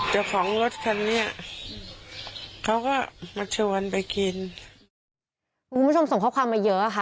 เจ้าของรถคันนี้เขาก็มาชวนไปกินคุณผู้ชมส่งข้อความมาเยอะค่ะ